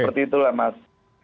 seperti itulah mas